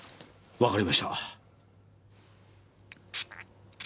わかりました。